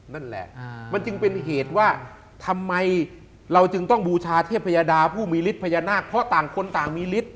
นั่นแหละมันจึงเป็นเหตุว่าทำไมเราจึงต้องบูชาเทพยดาผู้มีฤทธิพญานาคเพราะต่างคนต่างมีฤทธิ